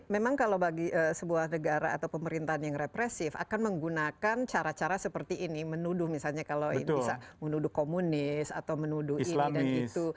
memang kalau bagi sebuah negara atau pemerintahan yang represif akan menggunakan cara cara seperti ini menuduh misalnya kalau ini bisa menuduh komunis atau menuduh ini dan itu